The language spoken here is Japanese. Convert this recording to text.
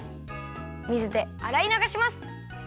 水であらいながします。